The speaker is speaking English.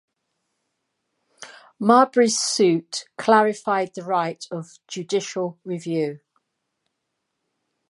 Marbury's suit clarified the right of judicial review.